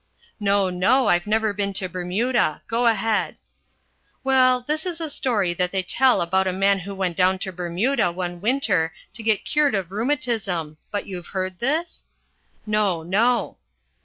"No, no, I've never been to Bermuda. Go ahead." "Well, this is a story that they tell about a man who went down to Bermuda one winter to get cured of rheumatism but you've heard this?" "No, no."